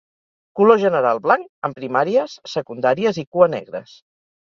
Color general blanc, amb primàries, secundàries i cua negres.